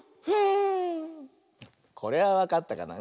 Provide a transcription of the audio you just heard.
これはわかったかな？